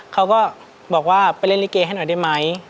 เขาก็บอกว่าไปเล่นลิเกให้หน่อยได้ไหม